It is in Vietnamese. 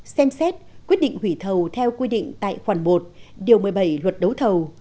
xem xét quyết định hủy thầu theo quy định tại khoản một điều một mươi bảy luật đấu thầu